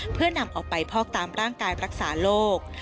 เพื่อนำออกไปพอกตามร่างกายรักษาโรค